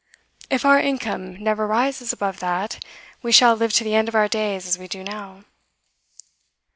If our income never rises above that, we shall live to the end of our days as we do now.